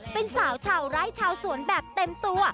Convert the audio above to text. เป็นสาวชาวไร่ชาวสวนแบบเต็มตัว